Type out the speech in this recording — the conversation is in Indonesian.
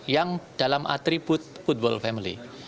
yang dalam atribut football family